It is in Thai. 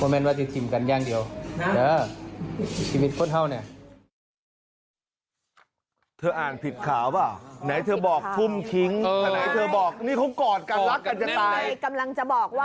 มันจะไปต่อยาก